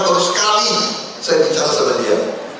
baru sekali saya bicara sama dia